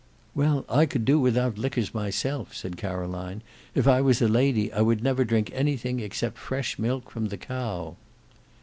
"Well, I could do without liquors myself," said Caroline. "If I was a lady, I would never drink anything except fresh milk from the cow."